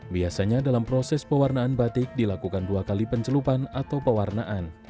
biasanya dalam proses pewarnaan batik dilakukan dua kali pencelupan atau pewarnaan